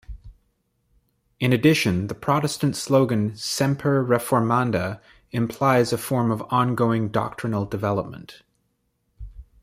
In addition, the Protestant slogan Semper reformanda implies a form of ongoing doctrinal development.